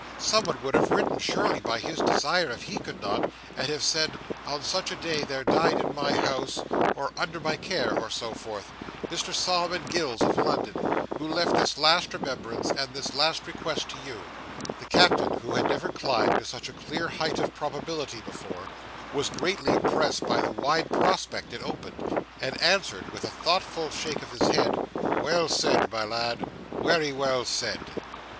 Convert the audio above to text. Someone would have written, surely, by his desire, if he could not; and have said, 'on such a day, there died in my house,' or 'under my care,' or so forth, 'Mr Solomon Gills of London, who left this last remembrance and this last request to you'." The Captain, who had never climbed to such a clear height of probability before, was greatly impressed by the wide prospect it opened, and answered, with a thoughtful shake of his head, "Well said, my lad; wery well said."